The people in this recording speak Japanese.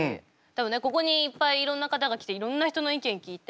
ここにいっぱいいろんな方が来ていろんな人の意見聞いて。